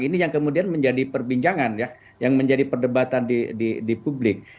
ini yang kemudian menjadi perbincangan ya yang menjadi perdebatan di publik